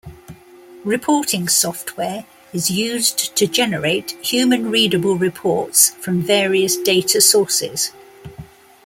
Reporting software is used to generate human-readable reports from various data sources.